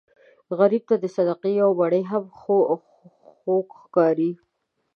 غریب ته د صدقې یو مړۍ هم خوږ ښکاري